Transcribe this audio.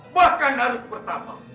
bahkan harus bertambah